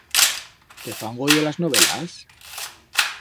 Te fan goyo las novelas?